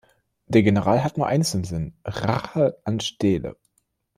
Der General hat nur eines im Sinn: Rache an Steele.